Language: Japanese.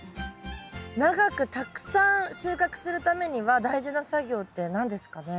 長くたくさん収穫するためには大事な作業って何ですかね？